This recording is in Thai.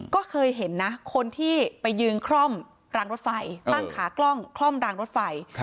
ก็เคยเห็นนะคนที่ไปยืนคล่อมรางรถไฟตั้งขากล้องคล่อมรางรถไฟ